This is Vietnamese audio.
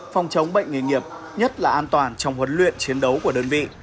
phòng chống bệnh nghề nghiệp nhất là an toàn trong huấn luyện chiến đấu của đơn vị